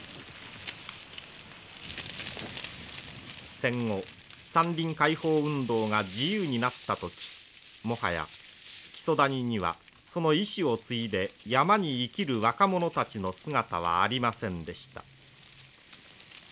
戦後山林解放運動が自由になった時もはや木曽谷にはその遺志を継いで山に生きる若者たちの姿はありませんでした。